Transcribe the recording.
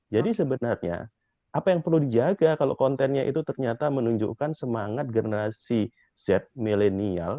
jadi sebenarnya apa yang perlu dijaga kalau kontennya itu ternyata menunjukkan semangat generasi z millennial